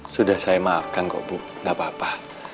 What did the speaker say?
sudah saya maafkan kok bu gak apa apa